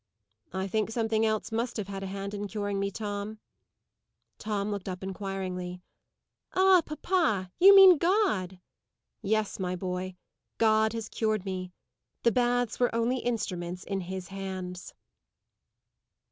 "I think something else must have had a hand in curing me, Tom." Tom looked up inquiringly. "Ah, papa! You mean God." "Yes, my boy. God has cured me. The baths were only instruments in His hands."